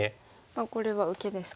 これは受けですか。